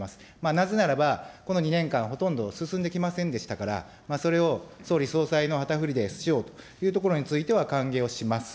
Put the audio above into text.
なぜならば、この２年間、ほとんど進んできませんでしたから、それを総理総裁の旗振りでしようというところについては、歓迎をします。